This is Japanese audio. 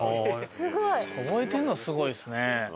すごい！覚えてるのすごいですね。